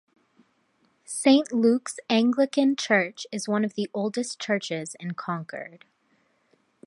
Saint Luke's Anglican Church is one of the oldest churches in Concord.